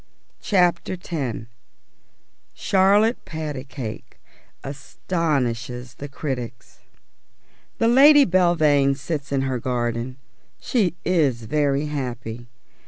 CHAPTER X CHARLOTTE PATACAKE ASTONISHES THE CRITICS The Lady Belvane sits in her garden. She is very happy.